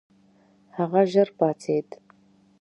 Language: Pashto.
هغه ژر پاڅېد.